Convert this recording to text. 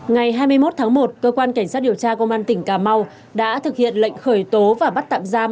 ngày hai mươi một tháng một cơ quan cảnh sát điều tra công an tỉnh cà mau đã thực hiện lệnh khởi tố và bắt tạm giam